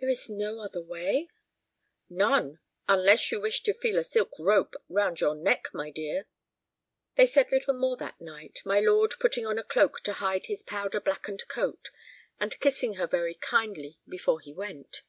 "There is no other way?" "None, unless you wish to feel a silk rope round your neck, my dear." They said little more that night, my lord putting on a cloak to hide his powder blackened coat, and kissing her very kindly before he went.